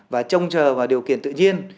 và trông chờ vào điều kiện tự nhiên